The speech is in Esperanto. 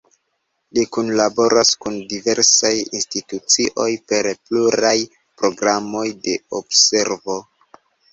Li kunlaboras kun diversaj institucioj per pluraj programoj de observo.